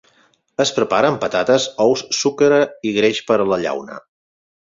Es prepara amb patates, ous, sucre i greix per la llauna.